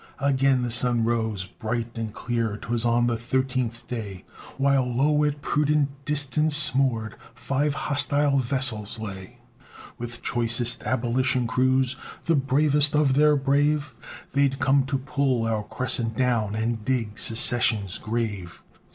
Again the sun rose, bright and clear, 'Twas on the thirteenth day, While, lo! at prudent distance moored, Five hostile vessels lay. With choicest Abolition crews, The bravest of their brave, They'd come to pull our Crescent down And dig Secession's grave.